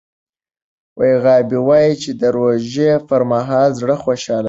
غابي وايي چې د روژې پر مهال زړه خوشحاله دی.